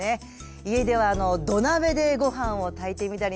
家では土鍋でご飯を炊いてみたりね